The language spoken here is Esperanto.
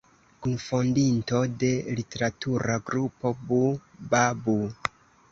Kunfondinto de literatura grupo Bu-Ba-Bu.